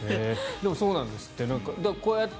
でもそうなんですって。